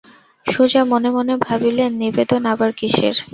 সুজা মনে মনে ভাবিলেন, নিবেদন আবার কিসের?